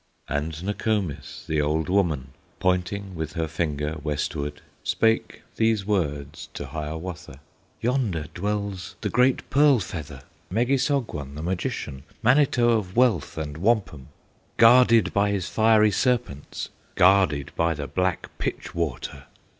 And Nokomis, the old woman, Pointing with her finger westward, Spake these words to Hiawatha: "Yonder dwells the great Pearl Feather, Megissogwon, the Magician, Manito of Wealth and Wampum, Guarded by his fiery serpents, Guarded by the black pitch water.